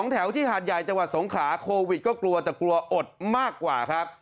แถวที่หาดใหญ่จังหวัดสงขลาโควิดก็กลัวแต่กลัวอดมากกว่าครับ